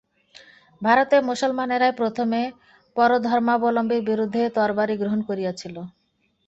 ভারতে মুসলমানেরাই প্রথমে পরধর্মাবলম্বীর বিরুদ্ধে তরবারি গ্রহণ করিয়াছিল।